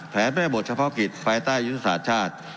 แม่บทเฉพาะกิจภายใต้ยุทธศาสตร์ชาติ